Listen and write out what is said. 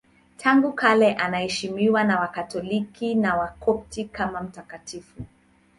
Tangu kale anaheshimiwa na Wakatoliki na Wakopti kama mtakatifu.